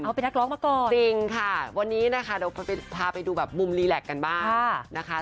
เขาเป็นนักร้องมาก่อนจริงค่ะวันนี้นะคะเดี๋ยวพาไปดูแบบมุมรีแล็กกันบ้างนะคะ